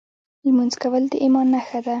لمونځ کول د ایمان نښه ده .